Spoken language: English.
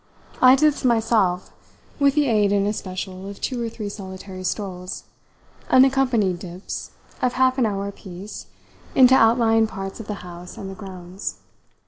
I did this myself, with the aid, in especial, of two or three solitary strolls, unaccompanied dips, of half an hour a piece, into outlying parts of the house and the grounds.